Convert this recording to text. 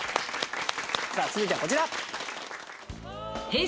さあ続いてはこちら。